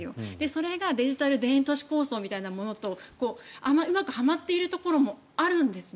それがデジタル田園都市構想みたいなものとうまくはまっているところもあるんです。